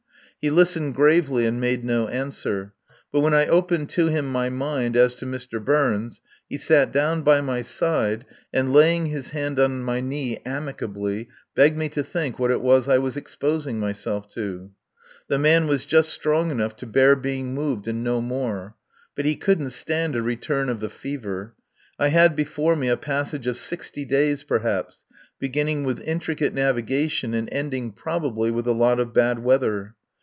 He listened gravely and made no answer. But when I opened to him my mind as to Mr. Burns he sat down by my side, and, laying his hand on my knee amicably, begged me to think what it was I was exposing myself to. The man was just strong enough to bear being moved and no more. But he couldn't stand a return of the fever. I had before me a passage of sixty days perhaps, beginning with intricate navigation and ending probably with a lot of bad weather.